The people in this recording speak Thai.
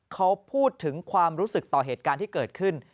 เขาพูดถึงความรู้สึกต่อเหตุการณ์ที่เกิดขึ้น